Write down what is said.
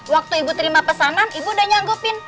waktu ibu terima pesanan ibu udah nyanggupin